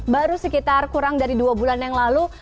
baru sekitar kurang dari dua bulan yang lalu